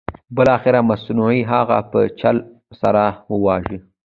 بالاخره منصور هغه په چل سره وواژه.